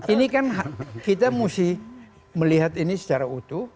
ini kan kita mesti melihat ini secara utuh